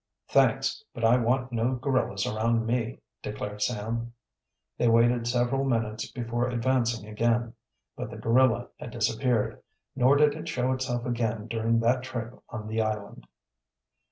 "Thanks, but I want no gorillas around me," declared Sam. They waited several minutes before advancing again. But the gorilla had disappeared, nor did it show itself again during that trip on the island.